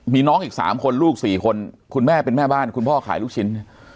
มีน้องอีก๓คนลูก๔คนคุณแม่เป็นแม่บ้านคุณพ่อขายลูกชิ้น